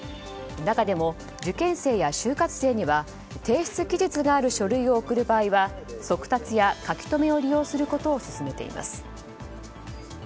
中でも受験生や就活生には提出期日がある書類を送る場合は速達や書留を利用することを勧めています。